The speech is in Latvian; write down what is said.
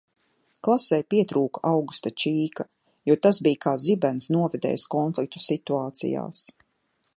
"Klasei pietrūka Augusta Čīka jo tas bija kā "zibens novedējs" konfliktu situācijās."